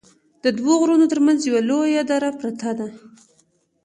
ددوو غرونو تر منځ یوه لویه دره پراته ده